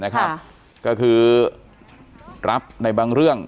ก็คือรับในบางเรื่อง